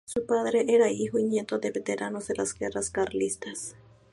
Su padre era hijo y nieto de veteranos de las guerras carlistas.